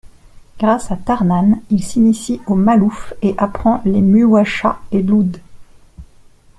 Grâce à Tarnane, il s'initie au malouf et apprend les muwashshahs et l'oud.